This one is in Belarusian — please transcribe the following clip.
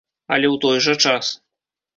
Але ў той жа час.